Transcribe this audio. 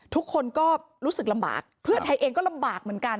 ทุกคนก็รู้สึกลำบากเพื่อไทยเองก็ลำบากเหมือนกัน